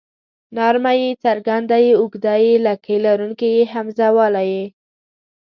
نرمه ی څرګنده ي اوږده ې لکۍ لرونکې ۍ همزه واله ئ